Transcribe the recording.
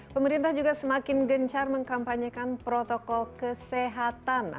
pemerintah juga semakin gencar mengkampanyekan protokol kesehatan